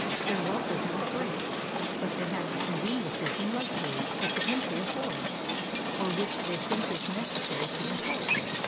Their wealth is not great, but they have the conven iences and luxuries which the country affords, or which they think it necessary to import.